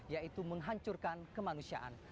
yaitu menghancurkan kemanusiaan